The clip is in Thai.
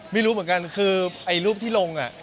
ไม่รู้เหมือนกันคือไอ้รูปที่ลง